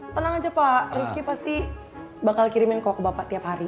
tenang aja pak rifki pasti bakal kirimin kok ke bapak tiap hari